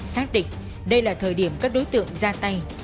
xác định đây là thời điểm các đối tượng ra tay